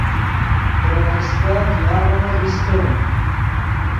ترے فسکف یاغو ایستے